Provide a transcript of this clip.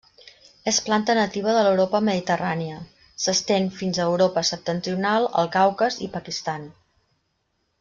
És planta nativa de l'Europa mediterrània; s'estén fins a Europa septentrional, el Caucas i Pakistan.